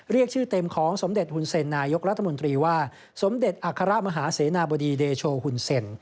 เรียกชื่อเต็มของสมเด็จหุ่นเซ็นนายกรัฐมนตรีว่าสมเด็จอัครมหาเสนาบดีเดโชหุ่นเซ็น